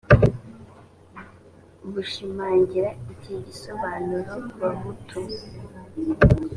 bushimangira iki gisobanuro bahutu